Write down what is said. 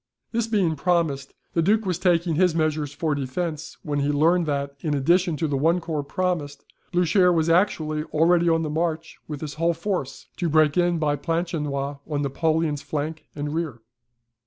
This being promised, the Duke was taking his measures for defence, when he learned that, in addition to the one corps promised, Blucher was actually already on the march with his whole force, to break in by Planchenoit on Napoleon's flank and rear.